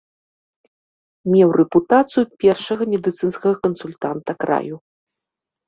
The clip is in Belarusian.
Меў рэпутацыю першага медыцынскага кансультанта краю.